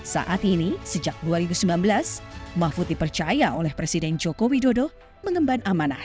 saat ini sejak dua ribu sembilan belas mahfud dipercaya oleh presiden joko widodo mengemban amanah